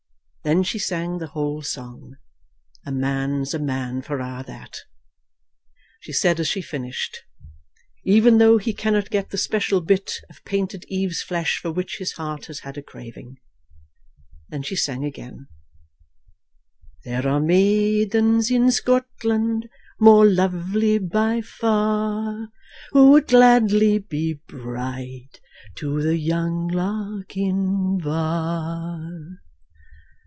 Then she sang the whole song, "A man's a man for a' that," she said as she finished. "Even though he cannot get the special bit of painted Eve's flesh for which his heart has had a craving." Then she sang again: "There are maidens in Scotland more lovely by far, Who would gladly be bride to the young Lochinvar."